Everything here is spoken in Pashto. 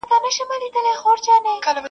خالي کړي له بچو یې ځالګۍ دي -